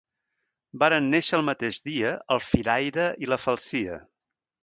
Varen néixer el mateix dia el firaire i la falsia.